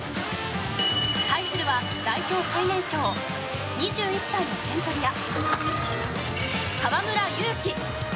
対するは、代表最年少２１歳の点取り屋、河村勇輝。